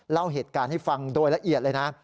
เล่าเหตุการณ์ให้ฟังโดยละเอียดเลยนะ